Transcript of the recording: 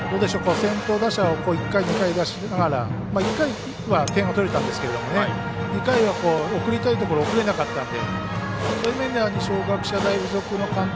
先頭打者を１回、２回出しながら１回は点を取れたんですけども２回は送りたいところ送れなかったんでそういう面では二松学舎大付属の監督